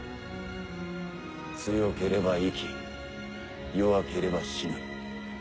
強ければ生き弱ければ死ぬ。